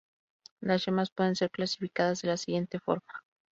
Las yemas pueden ser clasificadas de la siguiente forma